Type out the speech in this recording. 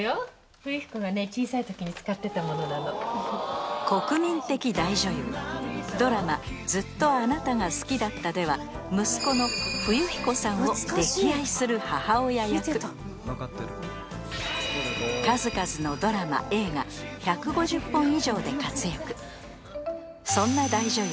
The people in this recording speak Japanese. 冬彦がね小さい時に使ってたものなの国民的大女優ドラマ「ずっとあなたが好きだった」では息子の冬彦さんを溺愛する母親役分かってる数々のドラマ映画１５０本以上で活躍そんな大女優